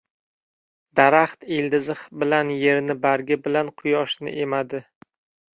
• Daraxt ildizi bilan yerni, bargi bilan quyoshni emadi.